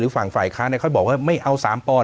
หรือฝั่งฝ่ายค้าเนี่ยเขาจะบอกว่าไม่เอา๓ป